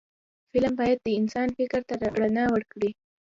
فلم باید د انسان فکر ته رڼا ورکړي